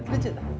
ketawa ya telat